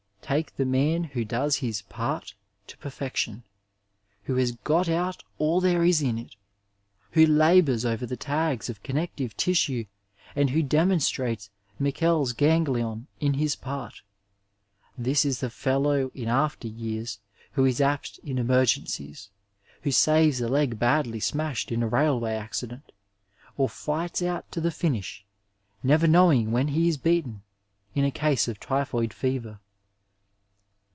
Take the man who does his " part '' to perfection, who has got out all there is in it, who labours over the tags of connective tissue and who demonstrates Meckel's gan glion in his part— this is the fellow in after years who is apt in emergencies, who saves a leg badly smashed in a raQway accident, or fights out to the finish, never knowing when he is beaten, in a case of typhoid fever.